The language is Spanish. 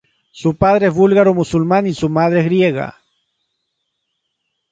Su padre es búlgaro musulmán y su madre es griega.